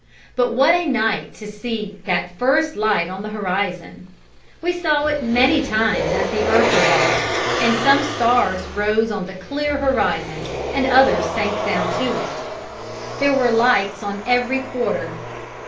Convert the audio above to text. But what a night to see that first light on the horizon! We saw it many times as the earth revolved, and some stars rose on the clear horizon and others sank down to it: there were "lights" on every quarter.